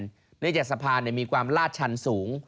เนื่องจากสะพานมีความลาดชันสูง